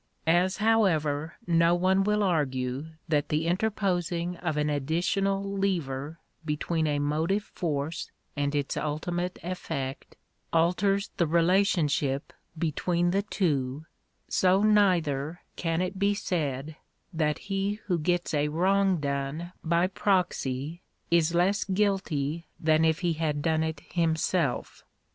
As, however, no one will argue that the interposing of an additional lever between a motive force and its ultimate effect, alters the relationship between the two, so neither can it be said that he who gets a wrong done by proxy, is less guilty than if he had done it himself.